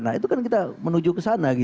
nah itu kan kita menuju ke sana